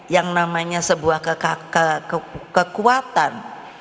yang namanya sebuah kekuatan